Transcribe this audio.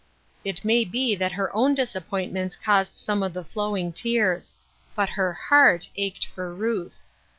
It may be that her own disappointments caused some of the flowing tears ; but her heart ached for Ruth.